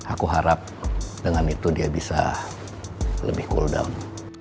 aku harap dengan itu dia bisa lebih full down